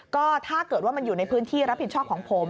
ก็ถ้าเกิดว่ามันอยู่ในพื้นที่รับผิดชอบของผม